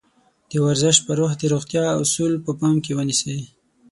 د ورزش پر وخت د روغتيا اَصول په پام کې ونيسئ.